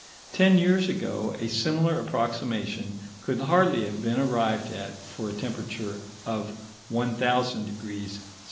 Ten years ago a similar approximation could hardly have been arrived at for a temperature of 1000° C.